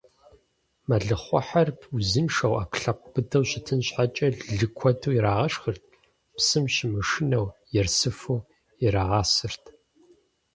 Мэлыхъуэхьэр узыншэу, Ӏэпкълъэпкъ быдэу щытын щхьэкӀэ лы куэду ирагъэшхырт, псым щымышынэу, ерсыфу ирагъасэрт.